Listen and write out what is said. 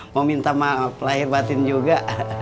mau minta maaf lahir batin juga